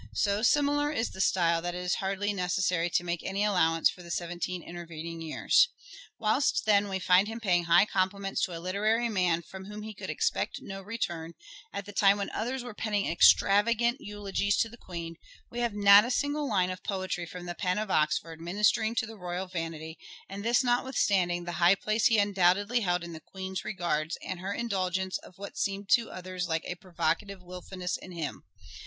So similar is the style that it is hardly necessary to make any allowance for the seventeen intervening years. Wliilst, then, we find him paying high compliments to a literary man, from whom he could expect no return, at the time when others were penning extravagant eulogies to the Queen, we have not a single line of poetry from the pen of Oxford, ministering to the royal vanity, and this notwithstanding the high place he undoubtedly held in the queen's regards and her indulgence of what seemed to others like a provocative wilfulness in him.